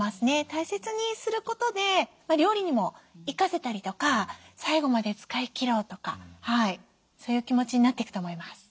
大切にすることで料理にも生かせたりとか最後まで使い切ろうとかそういう気持ちになっていくと思います。